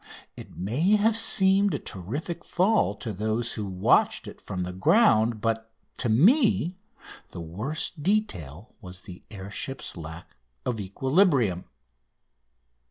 It may have seemed a terrific fall to those who watched it from the ground, but to me the worst detail was the air ship's lack of equilibrium.